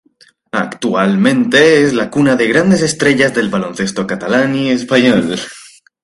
Actualmente es la cuna de grandes estrellas del baloncesto catalán y español.